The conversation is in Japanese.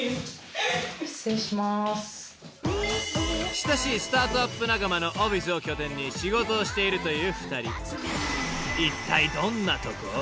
［親しいスタートアップ仲間のオフィスを拠点に仕事をしているという２人］